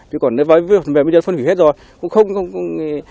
chứ còn bây giờ phân hủy hết rồi